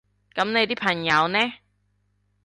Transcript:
噉你啲朋友呢？